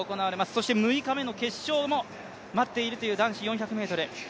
そして６日目の決勝も待っているという男子４００ｍ。